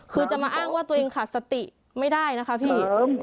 คือจะมาอ้างว่าตัวเองขาดสติไม่ได้นะคะพี่